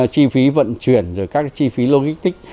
chi phí vận chuyển rồi các cái chi phí logistic